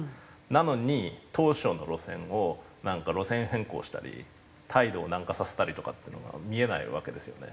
なのに当初の路線をなんか路線変更したり態度を軟化させたりとかっていうのが見えないわけですよね。